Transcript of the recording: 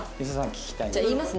礒さん聞きたい。